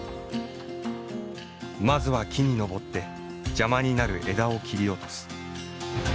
まずは木に登って邪魔になる枝を切り落とす。